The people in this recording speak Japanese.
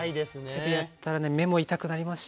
手でやったらね目も痛くなりますしね。